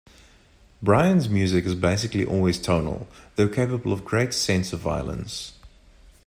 Brian's music is basically always tonal though capable of a great sense of violence.